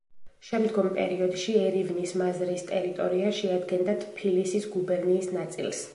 შემდგომ პერიოდში ერივნის მაზრის ტერიტორია შეადგენდა ტფილისის გუბერნიის ნაწილს.